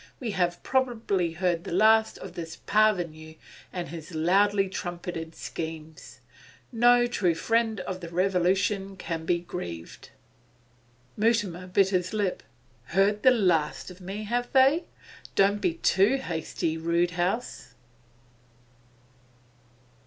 We have probably heard the last of this parvenu and his loudly trumpeted schemes. No true friend of the Revolution can be grieved.' Mutimer bit his lip. 'Heard the last of me, have they? Don't be too hasty, Roodhouse.